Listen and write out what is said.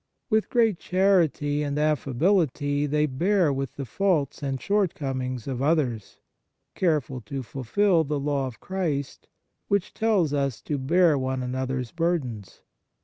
With great charity and affability they .bear with the faults and shortcomings of others, careful to fulfil the law of Christ, which tells us to bear one another s burdens.